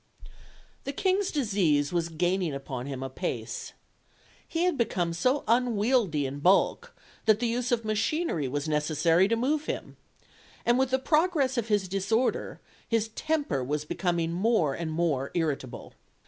The King's disease was gaining upon him apace. He had become so unwieldy in bulk that the use of machinery was necessary to move him, and with the progress of his disorder his temper was becoming more and more irritable.